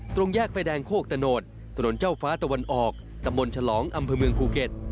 ตรงแยกไฟแดงโคกตะโนดถนนเจ้าฟ้าตะวันออกตำบลฉลองอำเภอเมืองภูเก็ต